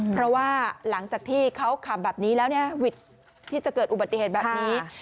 เพราะว่าหลังจากที่เขาขับแบบนี้แล้วเนี่ยวิทย์ที่จะเกิดอุบัติเหตุแบบนี้